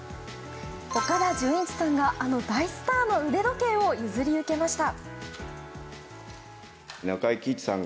岡田准一さんがあの大スターの腕時計を譲り受けました。